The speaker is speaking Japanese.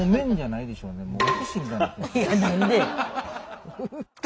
いや何で。